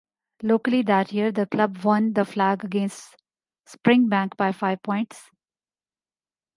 Locally that year the club won the flag against Springbank by five points.